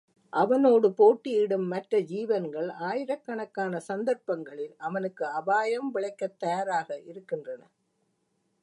அவனோடு போட்டியிடும் மற்ற ஜீவன்கள் ஆயிரக் கணக்கான சந்தர்ப்பங்களில் அவனுக்கு அபாயம் விளைக்கத் தயாராக இருக்கின்றன.